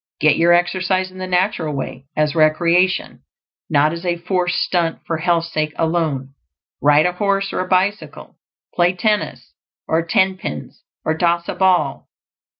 Get your exercise in the natural way; as recreation, not as a forced stunt for health's sake alone. Ride a horse or a bicycle; play tennis or tenpins, or toss a ball.